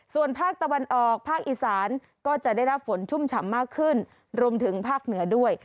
ส่วนภาคตะวันออกภาคอีสานก็จะได้รับฝนชุ่มฉ่ำมากขึ้นรวมถึงภาคเหนือด้วย